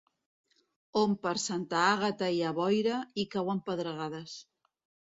On per Santa Àgata hi ha boira, hi cauen pedregades.